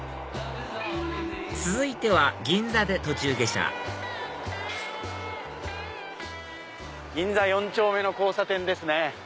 続いては銀座で途中下車銀座４丁目の交差点ですね。